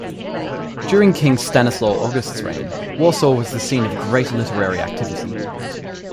During King Stanislaw August's reign, Warsaw was the scene of great literary activity.